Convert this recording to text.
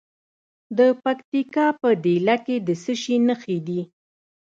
د پکتیکا په دیله کې د څه شي نښې دي؟